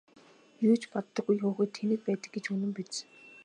Юу ч боддоггүй хүүхэд тэнэг байдаг гэж үнэн биз!